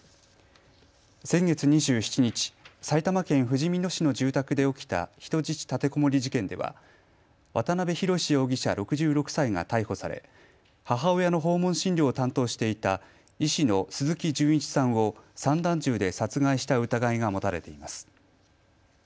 先月２７日、埼玉県ふじみ野市の住宅で起きた人質立てこもり事件では渡邊宏容疑者６６歳が逮捕され、母親の訪問診療を担当していた医師の鈴木純一さんを散弾銃で殺害した疑いが持たれています。